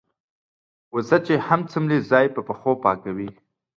وزه چې هم څملې ځای په پښو پاکوي.